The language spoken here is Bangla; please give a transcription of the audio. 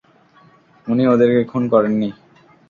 উনি ওদেরকে খুন করেননি।